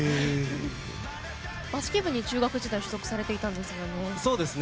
バスケ部に中学時代所属されていたんですよね。